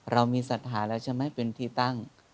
เรามีศรัทธาแล้วใช่ไหมเป็นที่ตั้ง